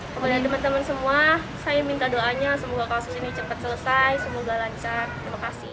kepada teman teman semua saya minta doanya semoga kasus ini cepat selesai semoga lancar terima kasih